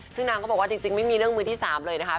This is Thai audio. ซึ่งนางก็บอกว่าจริงไม่มีเรื่องมือที่๓เลยนะคะ